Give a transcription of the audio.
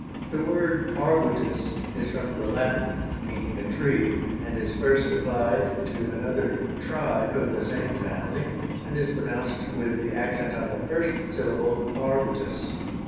The word arbutus is from the Latin, meaning a tree, and is first applied to another tribe of the same family, and is pronounced with the accent on the first syllable _ar_butus.